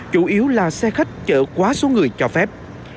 chủ yếu là xe khách chở quá số người cho phép